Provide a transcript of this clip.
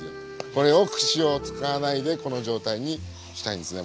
これを串を使わないでこの状態にしたいんですね。